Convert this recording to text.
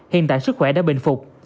hiện tại sức khỏe đã bền phục